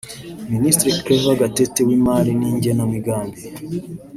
Ministre Claver Gatete w’imali n’igenamigambi